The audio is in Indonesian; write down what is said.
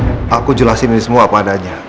aku jelasin ini semua apa adanya